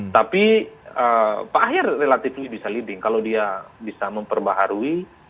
tapi pak aher relatively bisa leading kalau dia bisa memperbaharui